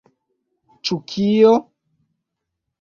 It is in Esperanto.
Ĉu kio?